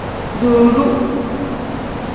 Duuru.